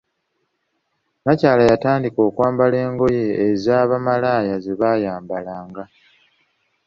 Nnakyala yatandika kwambala ngoye eza bamalaaya zebayambalanga.